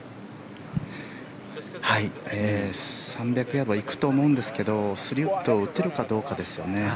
はい、３００ヤードは行くと思うんですが３ウッドを打てるかどうかですよね。